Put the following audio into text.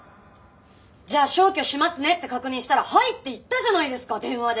「じゃあ消去しますね？」って確認したら「はい」って言ったじゃないですか電話で。